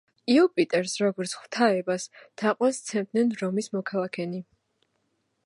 იუპიტერს, როგორც ღვთაებას, თაყვანს სცემდნენ რომის მოქალაქენი.